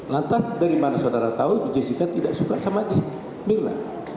lantas dari mana saudara tahu jessica tidak suka sama mirna